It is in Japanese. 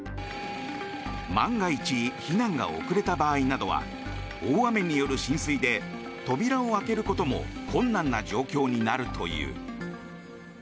万が一、避難が遅れた場合などは大雨による浸水で扉を開けることも困難な状況になるという。